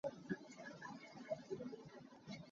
Midang kha sawi hna hlah.